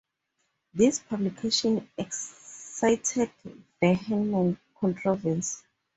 This publication excited vehement controversy.